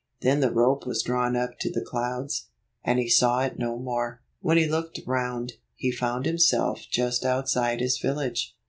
Then the rope was drawn up to the clouds, and he saw it no more. When he looked round, he found himself just outside his village.